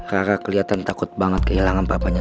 raka kelihatan takut banget kehilangan papanya